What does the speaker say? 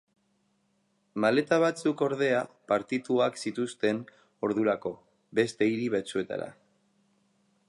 Maleta batzuk ordea partituak zituzten ordurako beste hiri batzuetara.